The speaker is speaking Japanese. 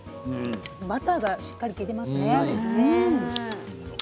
バターがしっかり利いていますね。